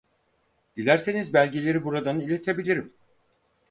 Dilerseniz belgeleri buradan iletebilirim.